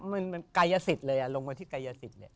มนุษย์กายยสิตเลยลงไปที่กายยสิต